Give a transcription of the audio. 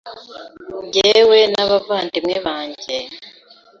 njyewe n’abavandimwe banjye,